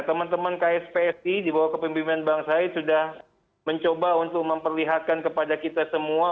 teman teman kspsi di bawah kepemimpinan bang said sudah mencoba untuk memperlihatkan kepada kita semua